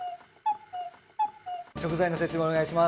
食材の説明お願いします。